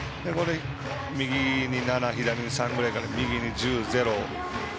右に７、左に３ぐらいから右に１０、左に０。